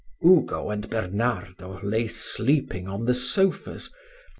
Ugo and Bernardo lay sleeping on the sofas.